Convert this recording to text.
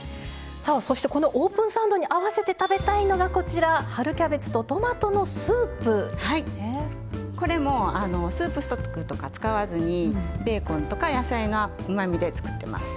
さあそしてこのオープンサンドに合わせて食べたいのがこちらこれもあのスープストックとか使わずにベーコンとか野菜のうまみで作ってます。